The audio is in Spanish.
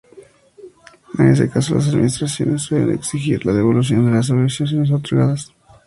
En ese caso, las administraciones suelen exigir la devolución de las subvenciones otorgadas.